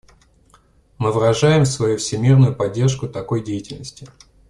Мы выражаем свою всемерную поддержку такой деятельности.